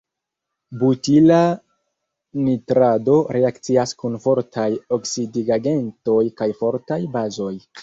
Butila nitrato reakcias kun fortaj oksidigagentoj kaj fortaj bazoj.